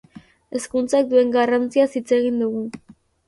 Hezkuntzak duen garrantziaz hitz egin dugu.